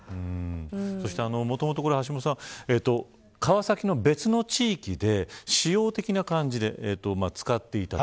そしてもともと、橋下さん川崎の別の地域で試用的な感じで使っていた。